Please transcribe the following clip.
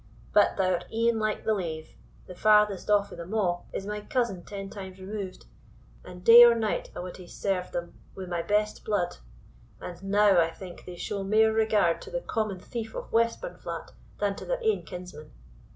But thou'rt e'en like the lave the farthest off o' them a' is my cousin ten times removed, and day or night I wad hae served them wi' my best blood; and now, I think they show mair regard to the common thief of Westburnflat than to their ain kinsman.